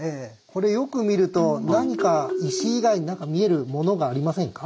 これよく見ると何か石以外に見えるものがありませんか？